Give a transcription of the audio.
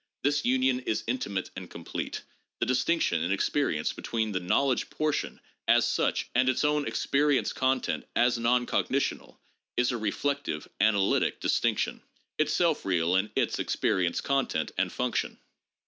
This union is intimate and complete. The distinction in experience between the knowledge portion, as such, and its own experienced context, as non cognitional, is a reflective, analytic distinction — itself real in its experienced con tent and function."